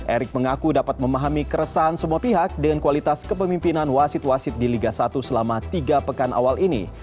erick mengaku dapat memahami keresahan semua pihak dengan kualitas kepemimpinan wasit wasit di liga satu selama tiga pekan awal ini